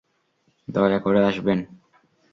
দয়া করে আসবেন।